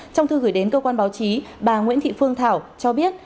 trong thư gửi đến cơ quan báo chí bà nguyễn thị phương thảo cho biết